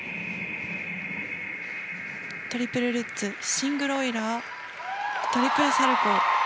トリプルルッツシングルオイラートリプルサルコウ。